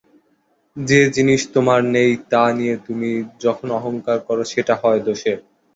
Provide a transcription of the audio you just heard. যে-জিনিস তোমার নেই, তা নিয়ে তুমি যখন অহঙ্কার কর, সেটা হয় দোষের।